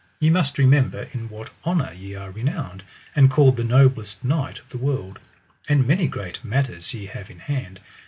Ye must remember in what honour ye are renowned, and called the noblest knight of the world; and many great matters ye have in hand.